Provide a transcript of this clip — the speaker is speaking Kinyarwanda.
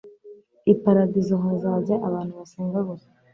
Iparadizo hazajya abantu basenga gusa